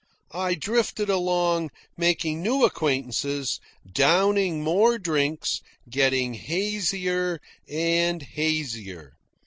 I drifted along, making new acquaintances, downing more drinks, getting hazier and hazier.